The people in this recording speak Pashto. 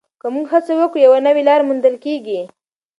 که موږ هڅه وکړو، یوه نوې لاره موندل کېږي.